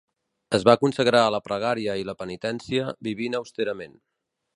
Es va consagrar a la pregària i la penitència, vivint austerament.